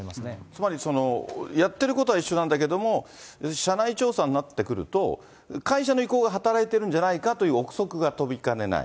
つまりやっていることは一緒なんだけども、社内調査になってくると、会社の意向が働いているんじゃないかという臆測が飛びかねない。